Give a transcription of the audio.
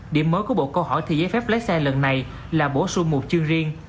điểm mới của bộ câu hỏi thi giấy phép lái xe lần này là bổ sung một chương riêng